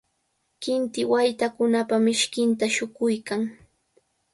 qinti waytakunapa mishkinta shuquykan.